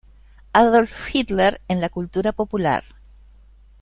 Adolf Hitler en la cultura popular